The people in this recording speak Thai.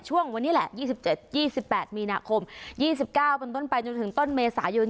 ช่วงวันนี้แหละยี่สิบเจ็ดยี่สิบแปดมีณาคมยี่สิบเก้าบนต้นไปจนถึงต้นเมษายน